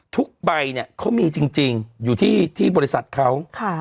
ทุกใบเนี่ยเขามีจริงอยู่ที่บริษัทเขา